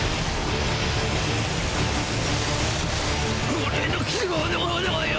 俺の希望の炎よ！